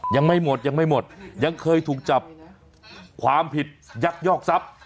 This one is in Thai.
ยังไม่หมดยังเคยถูกจับความผิดยักยอกทรัพย์